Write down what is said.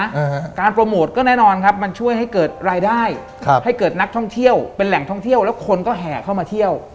อ่าฮะการโปรโมทก็แน่นอนครับมันช่วยให้เกิดรายได้ครับให้เกิดนักท่องเที่ยวเป็นแหล่งท่องเที่ยวแล้วคนก็แห่เข้ามาเที่ยว